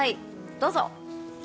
どうぞ！